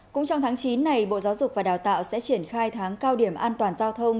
cũng trong tháng chín này bộ giáo dục và đào tạo sẽ triển khai tháng cao điểm an toàn giao thông